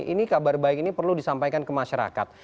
ini kabar baik ini perlu disampaikan ke masyarakat